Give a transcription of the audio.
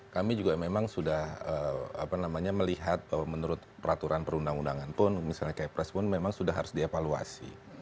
kami juga memang sudah melihat bahwa menurut peraturan perundang undangan pun misalnya kayak pres pun memang sudah harus dievaluasi